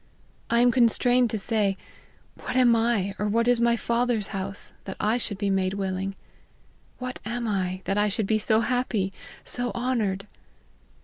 I am constrained to say, what am I, or what is my father's house, that I should be made willing ; what am I, that 1 should be so happy, so honoured?"